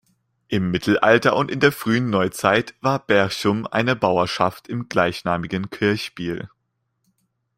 Im Mittelalter und in der frühen Neuzeit war Berchum eine Bauerschaft im gleichnamigen Kirchspiel.